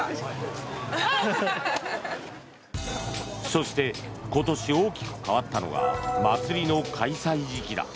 そして今年大きく変わったのが祭りの開催時期だ。